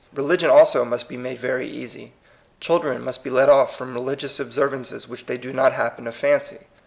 Religion aUo must be made very easy, children must be let off from religious observances which they do not happen to fancy.